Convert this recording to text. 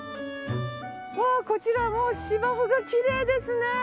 わあこちらもう芝生がきれいですね！